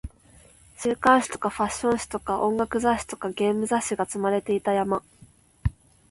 週刊誌とかファッション誌とか音楽雑誌とかゲーム雑誌が積まれていた山